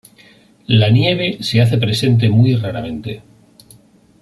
La nieve se hace presente muy raramente.